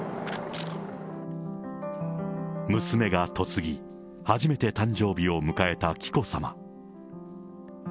娘が嫁ぎ、初めて誕生日を迎えた紀子さま。